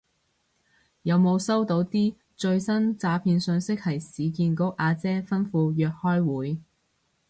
有冇收到啲最新詐騙訊息係市建局阿姐吩咐約開會